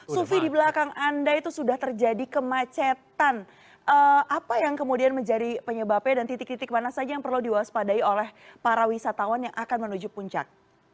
sufi di belakang anda itu sudah terjadi kemacetan apa yang kemudian menjadi penyebabnya dan titik titik mana saja yang perlu diwaspadai oleh para wisatawan yang akan menuju puncak